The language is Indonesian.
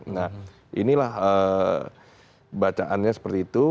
nah inilah bacaannya seperti itu